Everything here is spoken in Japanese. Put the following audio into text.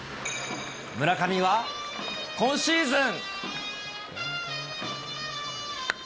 村上は今シーズン。